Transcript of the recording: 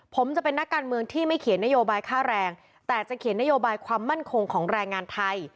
ผมจะเป็นนักการเมืองที่ไม่เขียนนโยบายค่าแรงแต่จะเขียนนโยบายความมั่นคงของแรงงานไทย